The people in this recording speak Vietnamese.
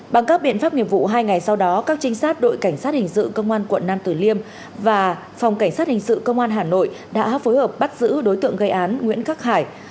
bằng các biện pháp nghiệp vụ hai ngày sau đó các trinh sát đội cảnh sát hình sự công an quận nam tử liêm và phòng cảnh sát hình sự công an hà nội đã phối hợp bắt giữ đối tượng gây án nguyễn khắc hải